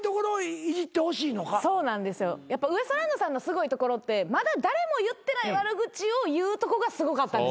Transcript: やっぱウエストランドさんのすごいところってまだ誰も言ってない悪口を言うとこがすごかったんですよ。